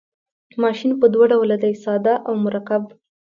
ماشین په دوه ډوله دی ساده او مرکب.